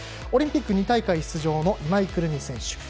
オリンピック２大会出場の今井胡桃選手。